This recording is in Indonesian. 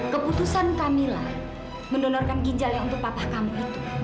keputusan kamila mendonorkan ginjal yang untuk papah kamu itu